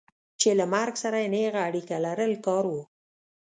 چې له مرګ سره یې نېغه اړیکه لرل کار و.